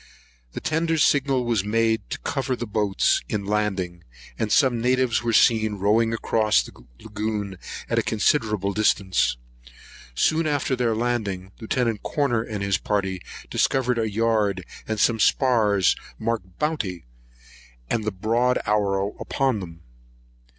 The tender's signal was made to cover the boats in landing; and some natives were seen rowing across the lagoon to a considerable distance. Soon after their landing, Lieut. Corner and his party discovered a yard and some spars marked Bounty, and the broad arrow upon them.